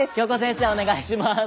お願いします。